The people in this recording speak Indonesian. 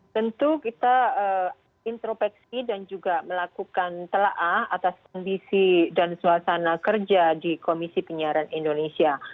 tentu kita intropeksi dan juga melakukan telah atas kondisi dan suasana kerja di komisi penyiaran indonesia